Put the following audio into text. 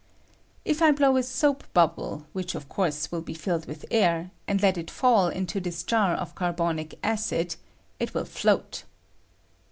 If I blow a soap bub ble, which of course will be filled with air, aud let it fall into this jar of carbonic acid, it will float.